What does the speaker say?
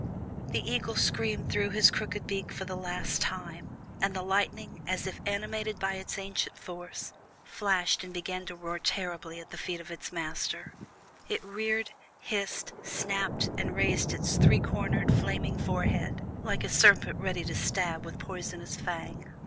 The eagle screamed through his crooked beak for the last time, and the lightning, as if animated by its ancient force, flashed and began to roar terribly at the feet of its master; it reared, hissed, snapped, and raised its three cornered, flaming forehead, like a serpent ready to stab with poisonous fang.